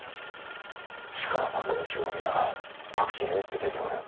力のある連中は皆各地に打って出ておる。